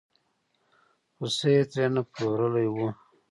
خوسی یې ترې نه پلورلی و.